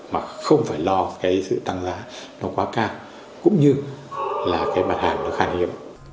mà không phải lo sự tăng giá nó quá cao cũng như là cái mặt hàng nó khả niệm